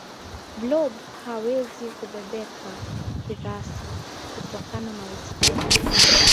blob hawezi kubebeka kirasi kutokana na uzito wake